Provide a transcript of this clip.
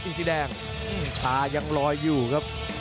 สีแดงตายังลอยอยู่ครับ